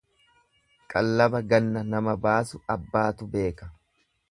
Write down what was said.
Qallaba ganna nama baasu abbaatu beeka.